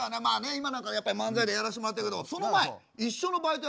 今なんかやっぱり漫才でやらしてもらってるけどその前一緒のバイトやってたんですよ